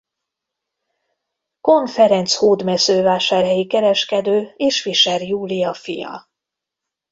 Kohn Ferenc hódmezővásárhelyi kereskedő és Fischer Júlia fia.